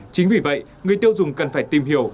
chính vì vậy người tiêu dùng cần phải tìm hiểu